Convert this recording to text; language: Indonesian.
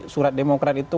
surat demokrat itu